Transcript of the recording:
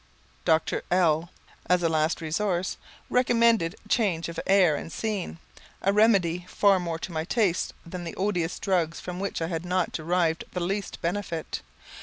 Dr. L , as a last resource, recommended change of air and scene; a remedy far more to my taste than the odious drugs from which I had not derived the least benefit.